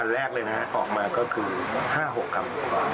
แรกเลยนะฮะออกมาก็คือ๕๖ครับ